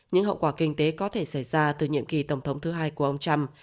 những hậu quả kinh tế có thể xảy ra từ nhiệm kỳ tổng thống thứ hai của ông trump